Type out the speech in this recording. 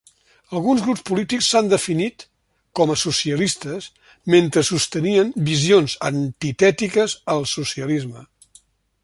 Alguns grups polítics s'han definit com a socialistes mentre sostenien visions antitètiques al socialisme.